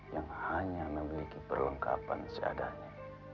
yang hanya memiliki perlengkapan seadanya